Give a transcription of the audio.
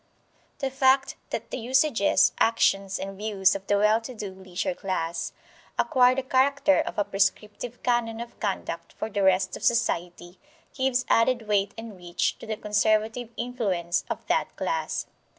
The fact that the usages, actions, and views of the well to do leisure class acquire the character of a prescriptive canon of conduct for the rest of society, gives added weight and reach to the conservative influence of that class.